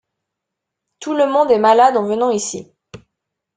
Tout le monde est malade en venant ici.